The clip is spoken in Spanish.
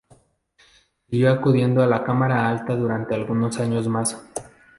Siguió acudiendo a la Cámara Alta durante algunos años más.